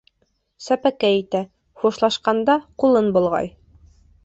Сәпәкәй итә, хушлашҡанда ҡулын болғай.